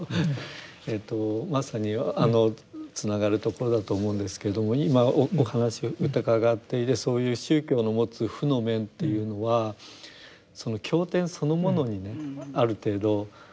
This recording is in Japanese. えっとまさにつながるところだと思うんですけど今お話を伺っていてそういう宗教の持つ負の面というのはその経典そのものにねある程度こうルーツがある。